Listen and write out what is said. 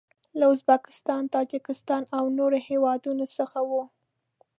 له ازبکستان، تاجکستان او نورو هیوادو څخه و.